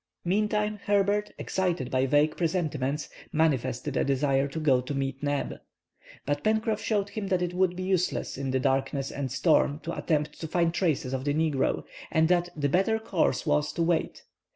Meantime, Herbert, excited by vague presentiments, manifested a desire to go to meet Neb. But Pencroff showed him that it would be useless in the darkness and storm to attempt to find traces of the negro, and, that the better course was, to wait.